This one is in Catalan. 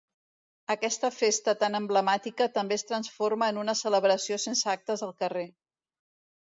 Aquesta festa tan emblemàtica també es transforma en una celebració sense actes al carrer.